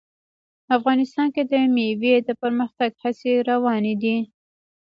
افغانستان کې د مېوې د پرمختګ هڅې روانې دي.